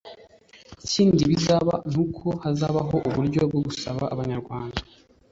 ikindi bisaba ni uko hazabaho uburyo bwo gusaba abanyarwanda